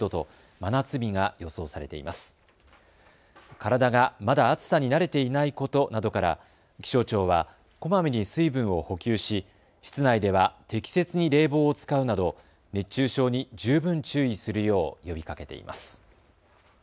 体がまだ暑さに慣れていないことなどから気象庁はこまめに水分を補給し、室内では適切に冷房を使うなど熱中症に十分注意するよう呼びかけています。